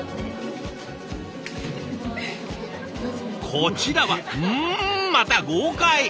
こちらはんまた豪快！